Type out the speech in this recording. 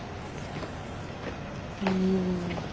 うん。